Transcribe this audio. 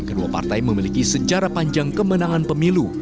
kedua partai memiliki sejarah panjang kemenangan pemilu